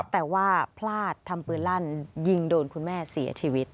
แต่ว่าพลาดทำปืนลั่นยิงโดนคุณแม่เสียชีวิต